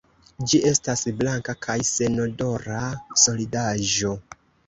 Ĝi estas blanka kaj senodora solidaĵo.